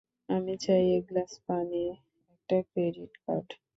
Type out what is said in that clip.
আমি চাই এক গ্লাস পানি, একটা ক্রেডিট কার্ড।